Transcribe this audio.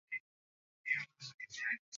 Aliniita mara tatu.